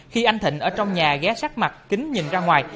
khi anh thịnh ở trong nhà ghé sát mặt kính nhìn ra ngoài